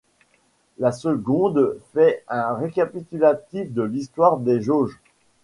La seconde fait un récapitulatif de l'histoire des jauges.